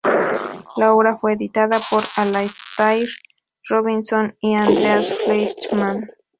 La obra fue editada por Alastair Robinson y Andreas Fleischmann.